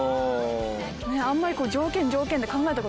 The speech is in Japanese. あんまり。